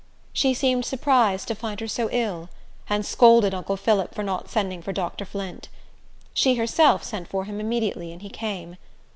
She seemed surprised to find her so ill, and scolded uncle Phillip for not sending for Dr. Flint. She herself sent for him immediately, and he came.